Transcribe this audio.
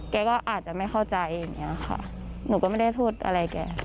แกก็อาจจะไม่เข้าใจอย่างนี้ค่ะหนูก็ไม่ได้พูดอะไรแก